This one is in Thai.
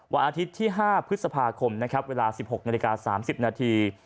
วันอาทิตย์ที่๕พฤษภาคมนะครับเวลา๑๖นาฬิกา๓๐นาที